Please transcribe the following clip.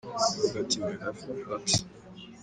Yavugaga ati: My Life, my heart.